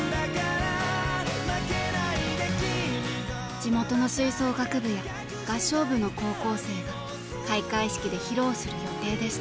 地元の吹奏楽部や合唱部の高校生が開会式で披露する予定でした。